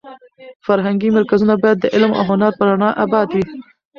فرهنګي مرکزونه باید د علم او هنر په رڼا اباد وي.